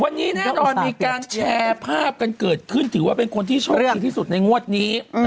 วันนี้แน่นอนมีการแชร์ภาพกันเกิดขึ้นถือว่าเป็นคนที่โชคดีที่สุดในงวดนี้